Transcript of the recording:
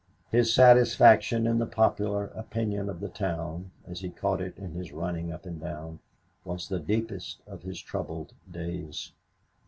His satisfaction in the popular opinion of the town, as he caught it in his running up and down, was the deepest of his troubled days.